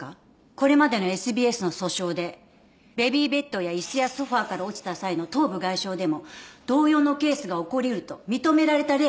これまでのＳＢＳの訴訟でベビーベッドや椅子やソファから落ちた際の頭部外傷でも同様のケースが起こり得ると認められた例があります。